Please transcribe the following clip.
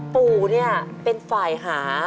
ปู่เนี่ยเป็นฝ่ายหา